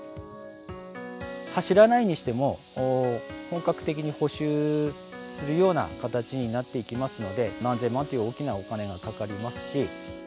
走らないにしても、本格的に補修するような形になっていきますので、何千万という大きなお金がかかりますし。